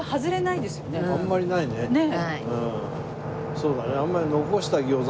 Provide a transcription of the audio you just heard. そうだね。